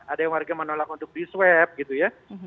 ada yang warga menolak untuk diswep gitu ya